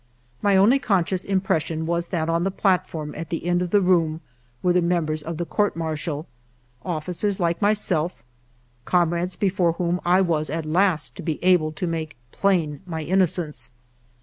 My only conscious impression was that on the platform at the end of the room were the mem bers of the Court Martial — officers like myself — comrades before whom I was at last to be able to make plain my innocence.